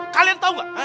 kalian tau gak